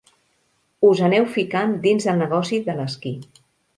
Us aneu ficant dins del negoci de l'esquí.